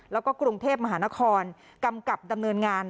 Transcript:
แล้วก็กรุงเทพมหานครกำกับดำเนินงาน